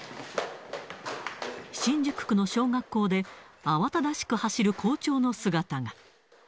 新宿区の小学校で、慌ただしく走る校長の姿が。